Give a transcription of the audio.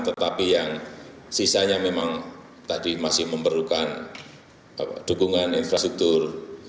tetapi yang sisanya memang tadi masih memerlukan dukungan infrastruktur